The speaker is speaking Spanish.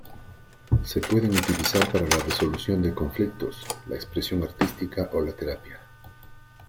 Se pueden utilizar para la resolución de conflictos, la expresión artística o la terapia.